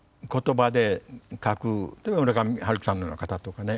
例えば村上春樹さんのような方とかね